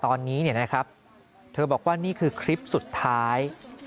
ตอนนี้เนี่ยนะครับเธอบอกว่านี่คือคลิปสุดท้าย